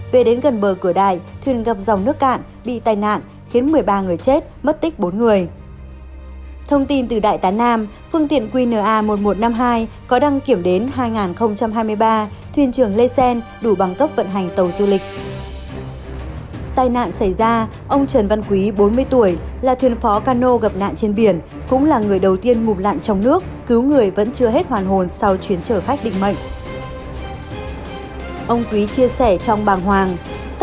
về đến gần bờ cửa đại thuyền gặp dòng nước cạn bị tai nạn khiến một mươi ba người chết mất tích bốn người